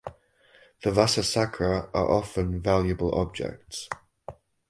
The vasa sacra are often valuable objects.